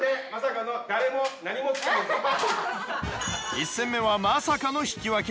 １戦目はまさかの引き分け。